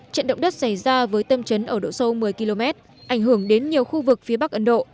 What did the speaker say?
trận động đất xảy ra với tâm trấn ở độ sâu một mươi km ảnh hưởng đến nhiều khu vực phía bắc ấn độ